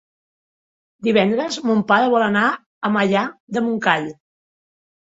Divendres mon pare vol anar a Maià de Montcal.